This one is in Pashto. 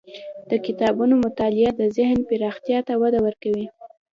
د کتابونو مطالعه د ذهن پراختیا ته وده ورکوي.